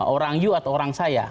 orang you atau orang saya